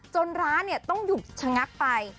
ร้านต้องหยุดชะงักไป